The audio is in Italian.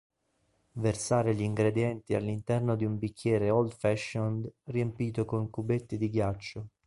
Versare gli ingredienti all'interno di un bicchiere old fashioned riempito con cubetti di ghiaccio.